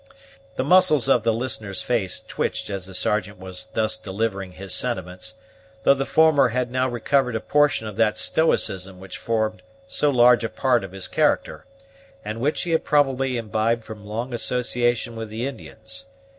The muscles of the listener's face twitched as the Sergeant was thus delivering his sentiments, though the former had now recovered a portion of that stoicism which formed so large a part of his character, and which he had probably imbibed from long association with the Indians.